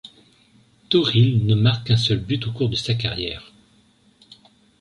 Toril ne marque qu'un seul but au cours de sa carrière.